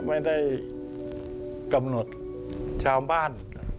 ไม่ได้คำนวณชาวบ้าน